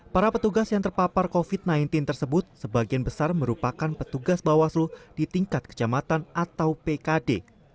para petugas yang terpapar covid sembilan belas tersebut sebagian besar merupakan petugas bawaslu di tingkat kecamatan atau pkd